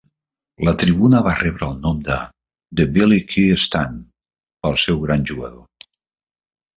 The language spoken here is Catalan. La tribuna va rebre el nom de "The Billy Kee Stand" pel seu gran jugador.